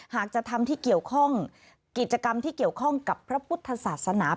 หากจะทำที่เกี่ยวข้องกิจกรรมที่เกี่ยวข้องกับพระพุทธศาสนา